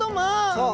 そう。